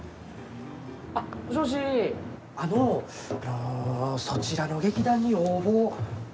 あっ、もしもしあの、そちらの劇団に応募。